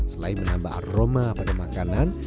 selain menambah aroma pada makanan